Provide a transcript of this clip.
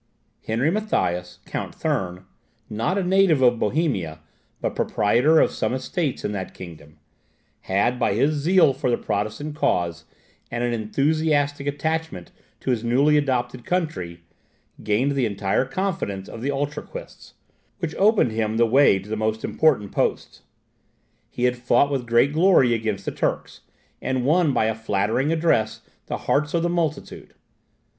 Henry Matthias, Count Thurn, not a native of Bohemia, but proprietor of some estates in that kingdom, had, by his zeal for the Protestant cause, and an enthusiastic attachment to his newly adopted country, gained the entire confidence of the Utraquists, which opened him the way to the most important posts. He had fought with great glory against the Turks, and won by a flattering address the hearts of the multitude.